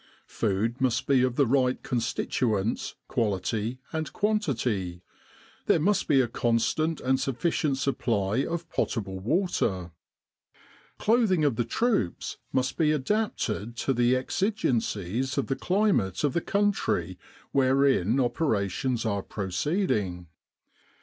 Food must be of the right constituents, quality, and quantity. There must be a constant and sufficient supply of potable water. Clothing of the troops must be adapted to the exigencies of the climate of the country wherein operations are pro ceeding.